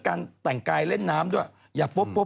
การแต่งกายเล่นน้ำด้วย